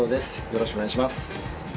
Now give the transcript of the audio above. よろしくお願いします。